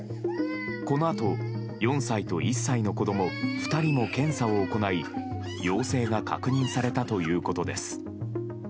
このあと、４歳と１歳の子供２人も検査を行い陽性が確認されたということです。